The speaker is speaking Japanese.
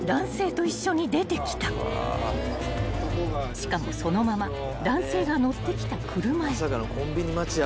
［しかもそのまま男性が乗ってきた車へ］